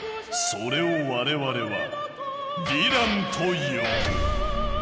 それを我々は「ヴィラン」と呼ぶ。